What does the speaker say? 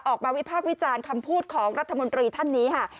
วิพากษ์วิจารณ์คำพูดของรัฐมนตรีท่านนี้ค่ะ